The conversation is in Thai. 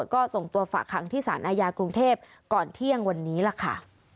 ก็ส่งตัวฝากคังที่สารอาญากรุงเทพก่อนเที่ยงวันนี้ล่ะค่ะ